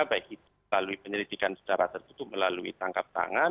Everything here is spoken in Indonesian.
baik itu melalui penyelidikan secara tertutup melalui tangkap tangan